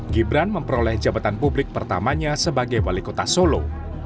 gibran memperoleh jabatan publik pertamanya sebagai wali kota solo